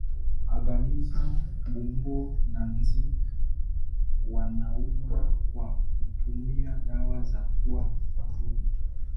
Angamiza mbung'o na nzi wanaouma kwa kutumia dawa za kuua wadudu